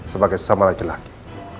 sebagai sesama lagi laki